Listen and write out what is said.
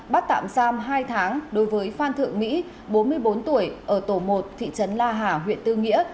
bắt tạm giam hai tháng đối với phan thượng mỹ bốn mươi bốn tuổi ở tổ một thị trấn la hà huyện tư nghĩa